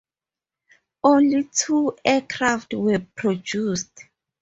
Only two aircraft were produced.